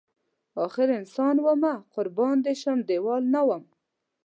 اخر انسان ومه قربان دی شم دیوال نه وم